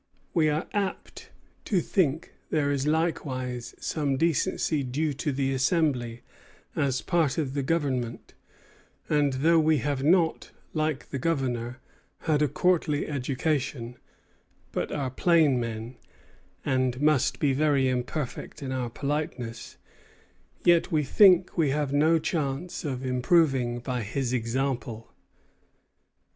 We are apt to think there is likewise some decency due to the Assembly as a part of the government; and though we have not, like the Governor, had a courtly education, but are plain men, and must be very imperfect in our politeness, yet we think we have no chance of improving by his example."